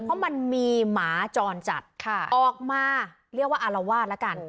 เพราะมันมีหมาจรจัดออกมาเรียกว่าอารวาสแล้วกัน